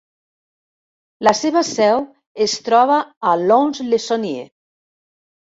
La seva seu es troba a Lons-le-Saunier.